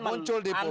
muncul di publik